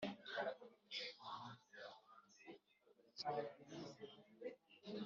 kubungabunga ibidukikije ni gahunda ihuriweho n'inzego nyinshi n'icyizere